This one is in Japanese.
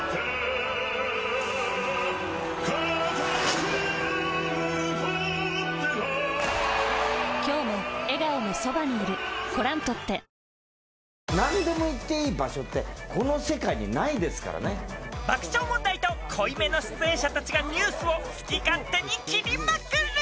新発売何でも言っていい場所ってこの世界にないですからね爆笑問題と濃いめの出演者たちがニュースを好き勝手に切りまくる！